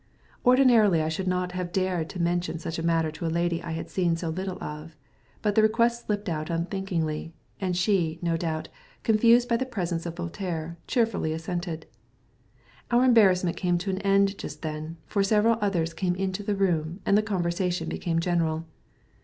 Ordinarily I should not have dared to mention such a matter to a lady I had seen so little of, but the request slipped out unthinkingly; and she, no doubt confused by the presence of Voltaire, cheerfully assented. Our embarrassment came to an end just then, for several others came into the room, and the conversation became general.